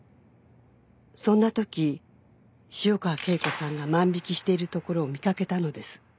「そんなとき潮川恵子さんが万引しているところを見掛けたのです」